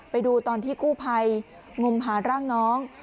ไปดูตอนที่กู้ภัยงมหาร่างน้อง